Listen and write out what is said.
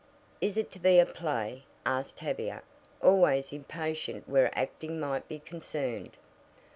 "Is it to be a play?" asked Tavia, always impatient where acting might be concerned.